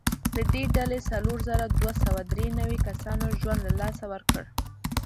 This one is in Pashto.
له دې ډلې څلور زره دوه سوه درې نوي کسانو ژوند له لاسه ورکړ.